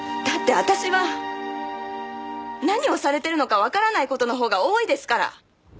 だって私は何をされてるのかわからない事のほうが多いですから！